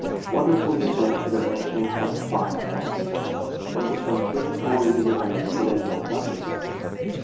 Wonderfully adept at arranging and classifying facts. When between three and four years of age could add long numbers.